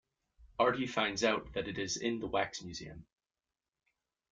Artie finds out that it is in the wax museum.